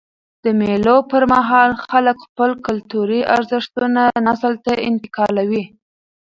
د مېلو پر مهال خلک خپل کلتوري ارزښتونه نسل ته انتقالوي.